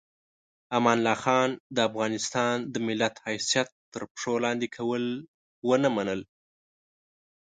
امان الله خان د افغانستان د ملت حیثیت تر پښو لاندې کول ونه منل.